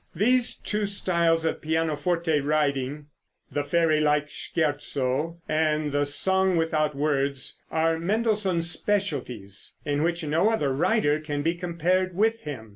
These two styles of pianoforte writing the fairy like scherzo, and the "Song without Words," are Mendelssohn's specialties, in which no other writer can be compared with him.